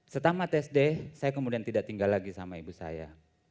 setelah tes d saya kemudian tidak tinggal lagi sama ibu saya